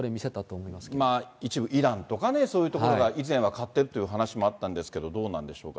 一部、イランとかね、そういうところが以前は買ってるという話もあったんですけれども、どうなんでしょうか。